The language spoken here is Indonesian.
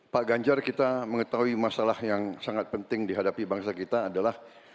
pak ganjar kita mengetahui masalah yang sangat penting dihadapi bangsa kita adalah